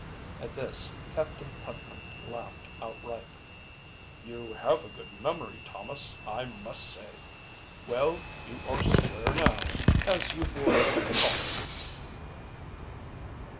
At this Captain Putnam laughed outright. "You have a good memory, Thomas, I must say! Well, you are square now, as you boys call it."